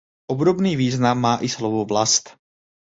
Obdobný význam má i slovo vlast.